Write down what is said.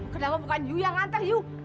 kenapa bukan yuk ngantar yuk